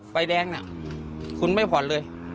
ไฟแดงน่ะคุณไม่ผ่อนเลย